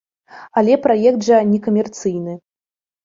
Але праект жа некамерцыйны.